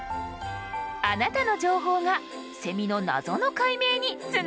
あなたの情報がセミの謎の解明につながるかも！